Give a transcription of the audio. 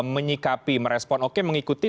menyikapi merespon oke mengikuti